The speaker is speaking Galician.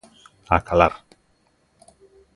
A calar.